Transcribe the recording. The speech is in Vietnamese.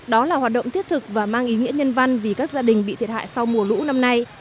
đó là hoạt động thiết thực và mang ý nghĩa nhân văn vì các gia đình bị thiệt hại sau mùa lũ năm nay